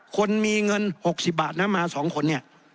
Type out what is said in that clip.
คนมีเงินหกสิบบาทนะมาสองคนเนี่ย